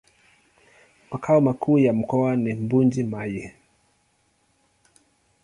Makao makuu ya mkoa ni Mbuji-Mayi.